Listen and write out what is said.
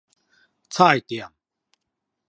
菜店